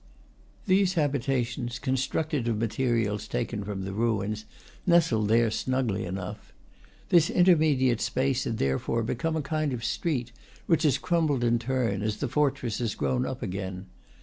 These habitations, constructed of materials taken from the ruins, nestled there snugly enough. This intermediate space had therefore become a kind of street, which has crumbled in turn, as the fortress has grown up again.